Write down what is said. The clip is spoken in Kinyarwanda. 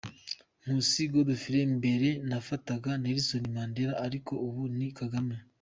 Nkusi Godfrey: mbere nafataga Nelson Mandela ariko ubu ni Kagame.